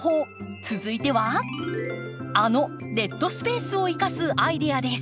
続いてはあのデッドスペースを生かすアイデアです。